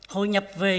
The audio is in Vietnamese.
hội nhập về